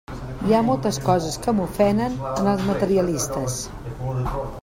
Hi ha moltes coses que m'ofenen en els materialistes.